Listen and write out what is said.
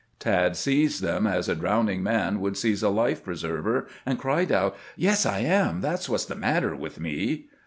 Tad seized them as a drowning man would seize a life preserver, and cried out :" Yes, I am ; that 's what 's the matter with me."